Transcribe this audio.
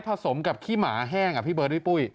สมกับขี้หมาแห้งอ่ะพี่เบิร์ดพี่ปุ้ย